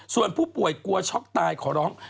ส่วนผู้ป่วยกลัวช็อกตายขอร้อง